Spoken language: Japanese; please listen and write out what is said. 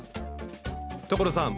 所さん